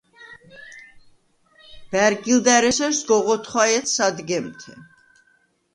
ბა̈რგილდა̈რ ესერ სგოღ ოთხვაჲედ სადგემთე.